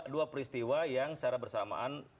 dua peristiwa yang secara bersamaan